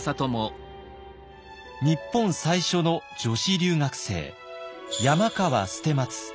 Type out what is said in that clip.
日本最初の女子留学生山川捨松。